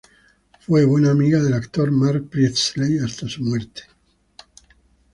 Fue buena amiga del actor Mark Priestley, hasta su muerte.